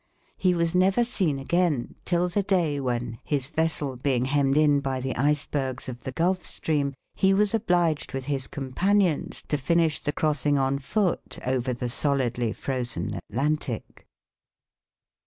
He was never seen again till the day when, his vessel being hemmed in by the icebergs of the Gulf Stream, he was obliged with his companions to finish the crossing on foot over the solidly frozen Atlantic.